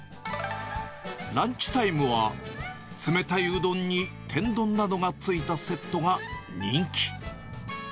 ランチタイムは、冷たいうどんに天丼などがついたセットが人気。